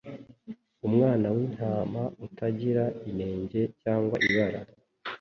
Umwana w'intama utagira inenge cyangwa ibara."